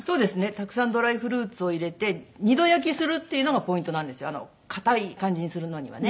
たくさんドライフルーツを入れて二度焼きするっていうのがポイントなんですよ硬い感じにするのにはね。